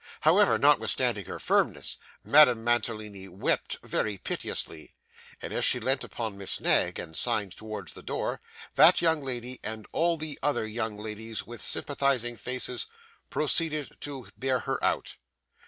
However, notwithstanding her firmness, Madame Mantalini wept very piteously; and as she leant upon Miss Knag, and signed towards the door, that young lady and all the other young ladies with sympathising faces, proceeded to bear her out.